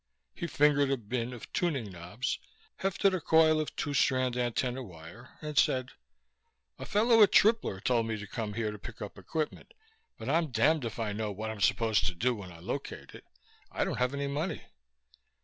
He fingered a bin of tuning knobs, hefted a coil of two strand antenna wire and said, "A fellow at Tripler told me to come here to pick up equipment, but I'm damned if I know what I'm supposed to do when I locate it. I don't have any money."